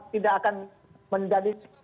tidak akan menjadi